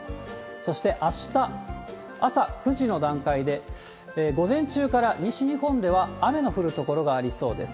そして、あした朝９時の段階で、午前中から西日本では雨の降る所がありそうです。